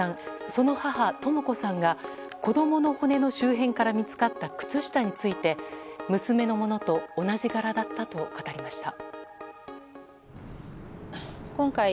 その母とも子さんが子供の骨の周辺から見つかった靴下について、娘のものと同じ柄だったと語りました。